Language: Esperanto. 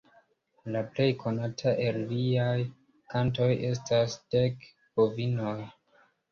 La plej konata el liaj kantoj estas Dek bovinoj.